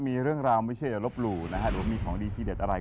ไม่เชื่ออย่าลบหรูนะหรือมีของดีที่เด็ดอะไร